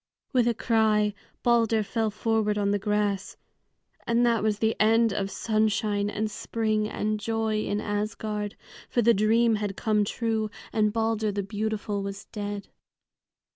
With a cry Balder fell forward on the grass. And that was the end of sunshine and spring and joy in Asgard, for the dream had come true, and Balder the beautiful was dead.